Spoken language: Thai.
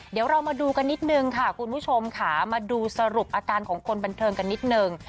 เดี๋ยวเรามาดูกันนิดนึงค่ะคุณผู้ชมค่ะมาดูสรุปอาการของคนบันเทิงกันนิดนึง